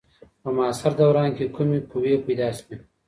په معاصر دوران کي کومې قوې پیدا سوې؟